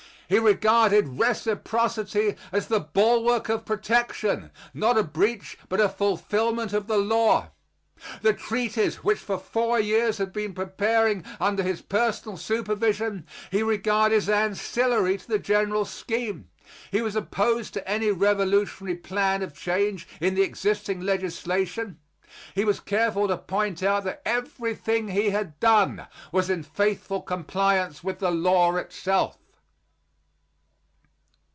He regarded reciprocity as the bulwark of protection not a breach, but a fulfilment of the law. The treaties which for four years had been preparing under his personal supervision he regarded as ancillary to the general scheme. He was opposed to any revolutionary plan of change in the existing legislation; he was careful to point out that everything he had done was in faithful compliance with the law itself.